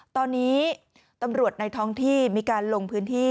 ตอนนี้ตำรวจในท้องที่มีการลงพื้นที่